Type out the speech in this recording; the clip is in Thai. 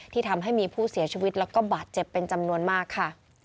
ทำให้มีผู้เสียชีวิตแล้วก็บาดเจ็บเป็นจำนวนมากค่ะ